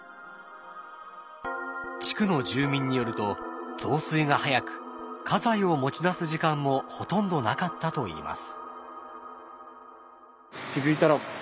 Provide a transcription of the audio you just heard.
地区の住民によると増水が早く家財を持ち出す時間もほとんどなかったといいます。